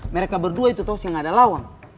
mereka berdua itu tau seng ada lawang